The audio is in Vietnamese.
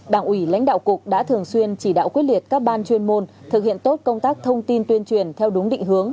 đảng ủy lãnh đạo cục đã thường xuyên chỉ đạo quyết liệt các ban chuyên môn thực hiện tốt công tác thông tin tuyên truyền theo đúng định hướng